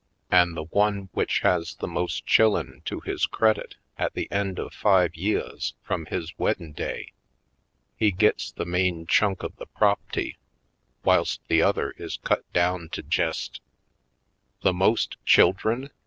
An' the one w'ich has the most chillen to his Sable Plots 215 credit at the end of five yeahs frum his weddin' day, he gits the main chunk of the prop'ty, whilst the other is cut down to jest " "The most children?"